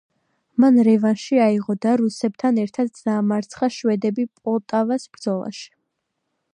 მან რევანში აიღო და რუსებთან ერთად დაამარცხა შვედები პოლტავას ბრძოლაში.